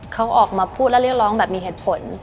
เขาออกมาพูดและเรียกร้องแบบมีเหตุผล